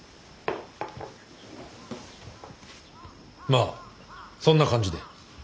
まあそんな感じで。